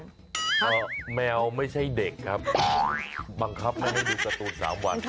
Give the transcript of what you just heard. ก็แมวไม่ใช่เด็กครับบังคับแมวให้ดูสตูดสามวัน